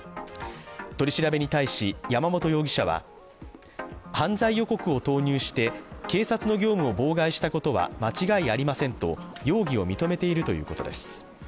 取り調べに対し山本容疑者は、犯罪予告を投入して警察の業務を妨害したことは間違いありませんと容疑を認めているということです。